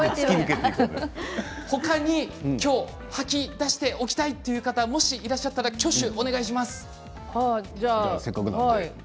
他に今日、吐き出しておきたいという方もしいらっしゃったら挙手をお願いします。